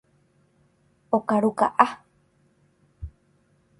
Okaru ka'a.